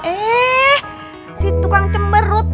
eh si tukang cemberut